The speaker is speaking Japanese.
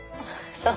そう。